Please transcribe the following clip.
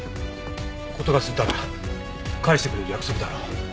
事が済んだら返してくれる約束だろ。